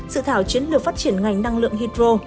sự thảo chiến lược phát triển ngành năng lượng hydro